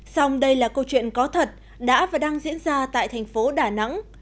xong đây là câu chuyện có thật đã và đang diễn ra tại thành phố đà nẵng